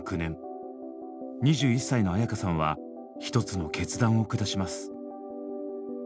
２１歳の絢香さんは一つの決断を下します。